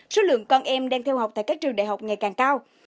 số lượng con em đang theo học tại các trường đại học ngày càng cao